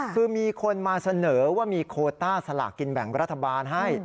คือมีคนมาเสนอว่ามีโคต้าสลากกินแบ่งรัฐบาลให้